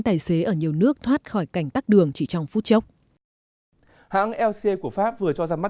tài xế ở nhiều nước thoát khỏi cảnh tắc đường chỉ trong phút chốc hãng lc của pháp vừa cho ra mắt